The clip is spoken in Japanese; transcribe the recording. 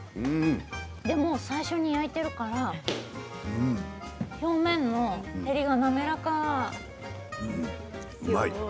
でも最初に焼いているから表面の照りが滑らか。